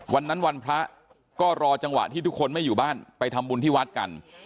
วันนั้นวันพระก็รอจังหวะที่ทุกคนไม่อยู่บ้านไปทำบุญที่วัดกัน